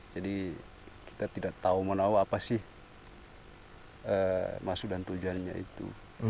jadi kita tidak tahu menahu apa sih maksud dan tujuannya itu